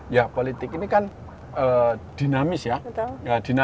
ya politik ini kan dinamis ya